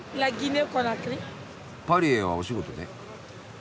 パリへはお仕事で？